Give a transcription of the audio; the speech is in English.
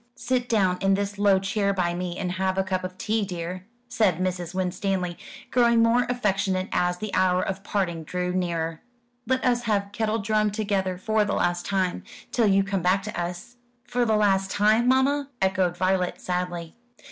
"Sit down in this low chair by me, and have a cup of tea, dear," said Mrs. Winstanley, growing more affectionate as the hour of parting drew nearer. "Let us have kettledrum together for the last time, till you come back to us." "For the last time, mamma!" echoed Violet sadly.